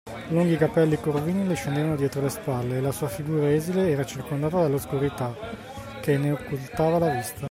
Lunghi capelli corvini le scendevano dietro le spalle, e la sua figura esile era circondata dall’oscurità, che ne occultava la vista.